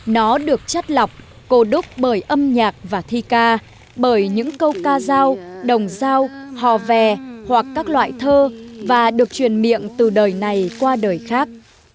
nó được chất lọc cổ đúc bởi âm nhạc và thi ca bởi những câu ca giao đồng giao hò vè hoặc các loại thơ và được truyền miệng từ đời này qua đời khác